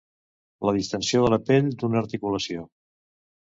La distensió de la pell, d'una articulació.